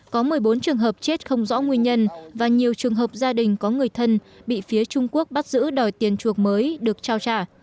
có một mươi bốn trường hợp chết không rõ nguyên nhân và nhiều trường hợp gia đình có người thân bị phía trung quốc bắt giữ đòi tiền chuộc mới được trao trả